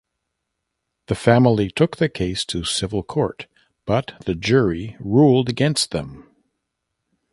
The family took the case to civil court but the jury ruled against them.